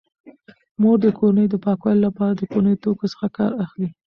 مور د کورنۍ د پاکوالي لپاره د کورني توکو څخه کار اخلي.